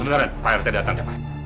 benar pak reti pak reti datang